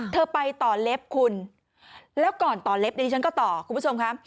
ไปต่อเล็บคุณแล้วก่อนต่อเล็บดิฉันก็ต่อคุณผู้ชมครับ